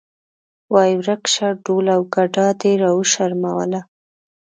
وایې ورک شه ډول او ګډا دې راوشرموله.